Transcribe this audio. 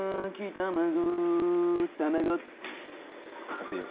熱いよ。